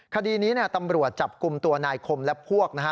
คดีนี้ตำรวจจับกลุ่มตัวนายคมและพวกนะฮะ